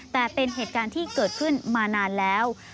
แต่เป็นเหตุการณ์ที่เกิดขึ้นมานานแล้ว